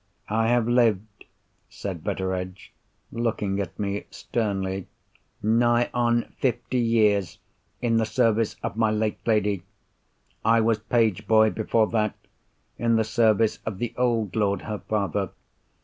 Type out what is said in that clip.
"I have lived," said Betteredge, looking at me sternly, "nigh on fifty years in the service of my late lady. I was page boy before that, in the service of the old lord, her father.